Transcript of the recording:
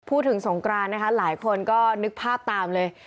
สงกรานนะคะหลายคนก็นึกภาพตามเลย